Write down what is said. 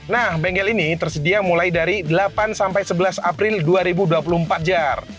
nah bengkel ini tersedia mulai dari delapan sampai sebelas april dua ribu dua puluh empat jar